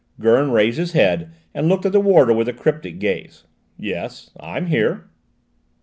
Gurn raised his head and looked at the warder with a cryptic gaze. "Yes, I'm here."